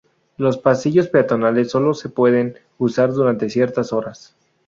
Los pasillos peatonales solo se pueden usar durante ciertas horas.